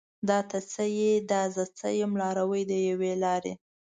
دا ته څه یې؟ دا زه څه یم؟ لاروي د یوې لارې